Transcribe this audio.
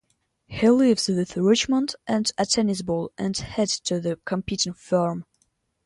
He leaves with Richmond and a tennis ball and head to the competing firm.